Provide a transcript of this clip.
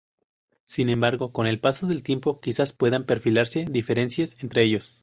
Sin embargo, con el paso del tiempo quizás puedan perfilarse diferencias entre ellos.